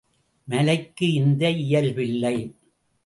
மலைக்கு இந்த இயல்பில்லை.